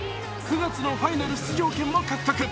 ９月のファイナル出場権も獲得。